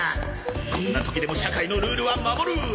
こんな時でも社会のルールは守る！